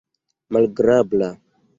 malagrabla